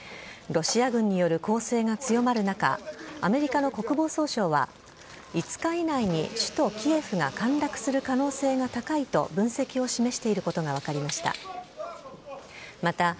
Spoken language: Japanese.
ロシア軍による攻勢が強まる中、アメリカの国防総省は、５日以内に首都キエフが陥落する可能性が高いと分析を示していることが分かりました。